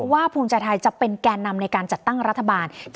ว่าภูมิเศรษฐ์ไทยจะเป็นแก่อนำในการจัดตั้งรัฐบาล